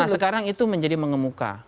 nah sekarang itu menjadi mengemuka